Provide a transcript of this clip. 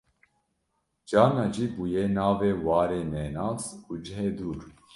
carna jî bûye navê warê nenas û cihê dûr